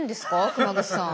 熊楠さん。